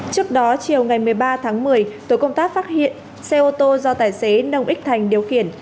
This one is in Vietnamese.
trước đó chiều ngày một mươi ba tháng một mươi tổ công tác phát hiện xe ô tô do tài xế nông ích thành điều khiển